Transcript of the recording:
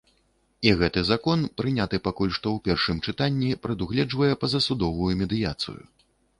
І гэты закон, прыняты пакуль што ў першым чытанні, прадугледжвае пазасудовую медыяцыю.